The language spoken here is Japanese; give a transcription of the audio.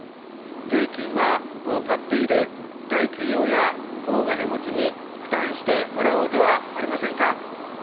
税金はもうかっている大企業や大金持ちに負担してもらおうではありませんか。